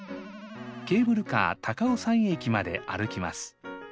ケーブルカー高尾山駅まで歩きます。